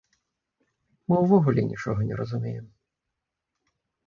Мы ўвогуле нічога не разумеем.